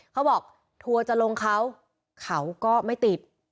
เขาบอกทัวร์จะลงเขาเขาก็ไม่ติด